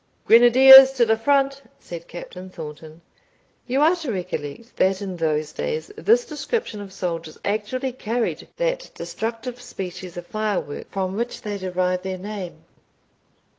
"Grenadiers, to the front!" said Captain Thornton. You are to recollect, that in those days this description of soldiers actually carried that destructive species of firework from which they derive their name.